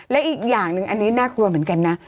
และอีกอย่างหนึ่งอันนี้น่ากลัวเหมือนกันนะ